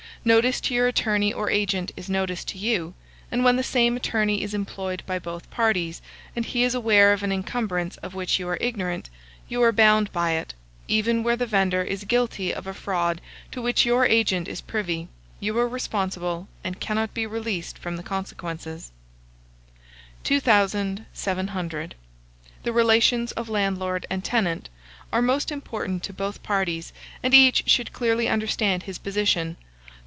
Notice to your attorney or agent is notice to you; and when the same attorney is employed by both parties, and he is aware of an encumbrance of which you are ignorant, you are bound by it; even where the vendor is guilty of a fraud to which your agent is privy, you are responsible, and cannot be released from the consequences. 2700. THE RELATIONS OF LANDLORD AND TENANT are most important to both parties, and each should clearly understand his position.